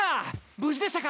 無事でしたか。